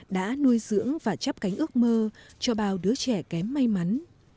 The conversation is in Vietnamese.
đã nuôi dưỡng và chấp cánh ước mơ cho bao đứa trẻ kém may mắn